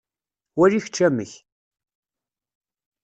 Wali kečč amek.